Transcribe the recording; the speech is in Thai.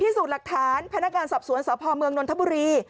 พิสูจน์หลักฐานพนักงานสอบสวนสพเมืองนนทบุรี